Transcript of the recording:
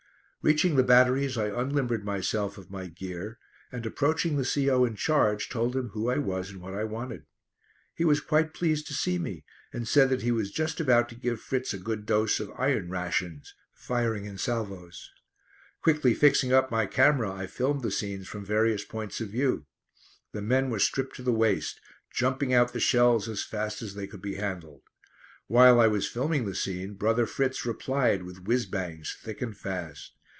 Reaching the batteries I unlimbered myself of my gear and approaching the C.O. in charge told him who I was and what I wanted. He was quite pleased to see me and said that he was just about to give Fritz a good dose of "iron rations," firing in salvos. Quickly fixing up my camera I filmed the scenes from various points of view. The men were stripped to the waist, jumping out the shells as fast as they could be handled. While I was filming the scene brother Fritz replied with whizz bangs thick and fast.